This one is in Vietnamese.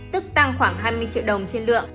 tức tăng khoảng hai mươi triệu đồng trên lượng